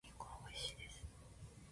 リンゴはおいしいです。